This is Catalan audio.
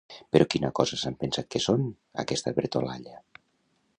Però quina cosa s'han pensat que són, aquesta bretolalla?